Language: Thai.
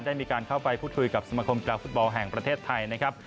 ได้มีการเข้าไปพูดคุยกับสมคมกีฬาฟุตบอลแห่งประเทศไทยนะครับ